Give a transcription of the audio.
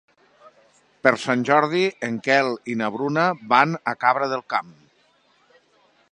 Per Sant Jordi en Quel i na Bruna van a Cabra del Camp.